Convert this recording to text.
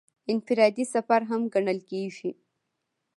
انفرادي سفر هم ګڼل کېږي.